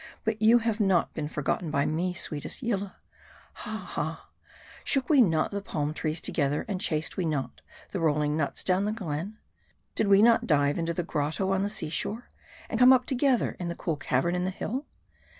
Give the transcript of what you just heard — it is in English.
But you have not been forgot ten by me, sweetest Yillah. Ha ! ha ! shook we not the palm trees together, and chased we not the rolling nuts down the glen ? Did we not dive into the grotto on the sea shore, and come up together in the cool cavern in the hill